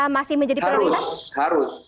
masih menjadi perhubungan